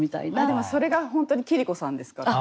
でもそれが本当に桐子さんですから。